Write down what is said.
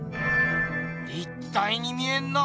立体に見えんな。